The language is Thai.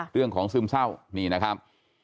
เรื่องของซึมเศร้านี่นะครับ